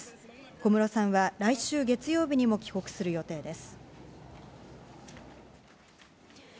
小室さんは来週月曜日にも帰国する予定です。